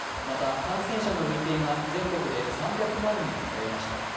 また感染者の累計が全国で３００万人を超えました。